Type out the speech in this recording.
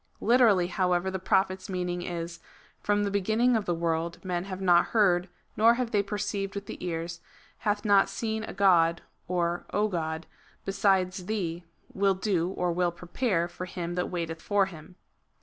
Literally, however, the Prophet's meaning is : "From the beginning of the world men have not heard, nor have they perceived with the ears, hath not seen a god, (or God,) besides thee, will do (or will prepare) for him that waiteth for him."